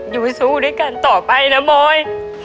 อยู่สู้ด้วยกันต่อไปนะมอย